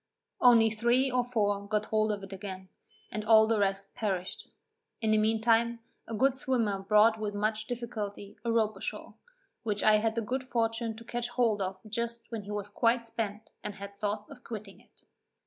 Only three or four got hold of it again, and all the rest perished. In the mean time, a good swimmer brought with much difficulty a rope ashore, which I had the good fortune to catch hold of just when he was quite spent, and had thoughts of quitting it.